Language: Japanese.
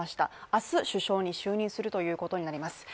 明日、首相に就任するということになります。